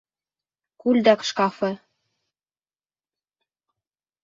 Күлдәк шкафы